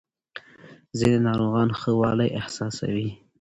ځینې ناروغان ښه والی احساسوي.